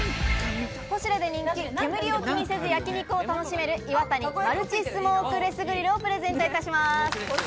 ポシュレで人気、煙を気にせず焼き肉を楽しめる「イワタニマルチスモークレスグリル」をプレゼントいたします。